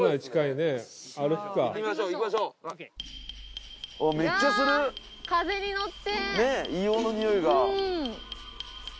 ねっ硫黄の匂いが。